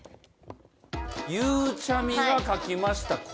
ゆうちゃみが書きました。